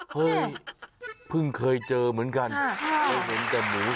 เฮ้ยเพิ่งเคยเจอเหมือนกัน